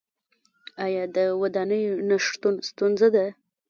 آیا د ودانیو نشتون ستونزه ده؟